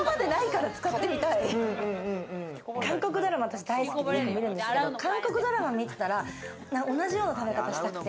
私、韓国ドラマ好きでよく見るんですけど、韓国ドラマを見てたら、同じような食べ方したくて。